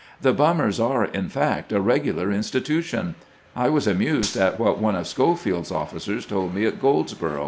The bummers are, in fact, a regular institution. I was amused at what one of Schofield's officers told me at Goldsboro'.